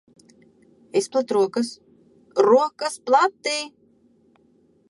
Izplet rokas. Rokas plati!